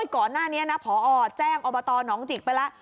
ก่อนหน้านี้นะพอแจ้งอบตหนองจิกไปแล้ว